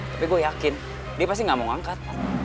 tapi gue yakin dia pasti gak mau ngangkat